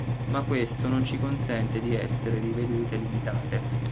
Ma questo non ci consente di essere di vedute limitate.